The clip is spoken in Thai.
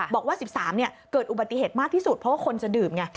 บอกว่า๑๓เกิดอุบัติเหตุมากที่สุดเพราะว่าคนจะดื่มไง